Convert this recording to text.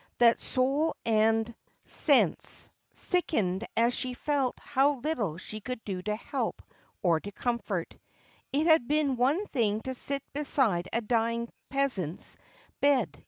that soul and sense skkeiied as ?he felt how little she could do to help or to comfort. It had beea one thing to sit beside a dying peasant's bed.